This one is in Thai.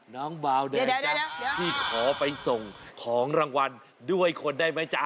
น้องบาวแดงจ๊ะพี่ขอไปส่งของรางวัลด้วยคนได้ไหมจ๊ะ